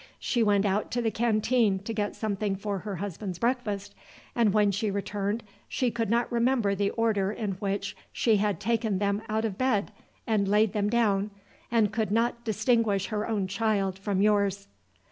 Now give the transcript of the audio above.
She went out to the canteen to get something for her husband's breakfast, and when she returned she could not remember the order in which she had taken them out of bed and laid them down, and could not distinguish her own child from yours."